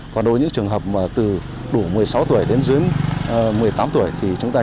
còn đối với những trường hợp từ đủ một mươi sáu tuổi đến dưới một mươi tám tuổi